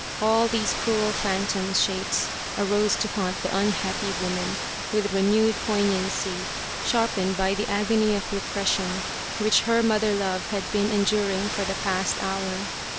All these cruel phantom shapes arose to haunt the unhappy woman with renewed poignancy, sharpened by the agony of repression which her mother love had been enduring for the past hour.